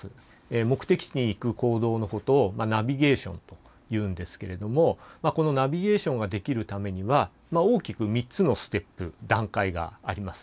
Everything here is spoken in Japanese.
目的地に行く行動のことをナビゲーションというんですけれどもこのナビゲーションができるためには大きく３つのステップ段階があります。